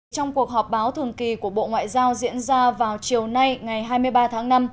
trong cuộc họp báo thường kỳ của bộ ngoại giao diễn ra vào chiều nay ngày hai mươi ba tháng năm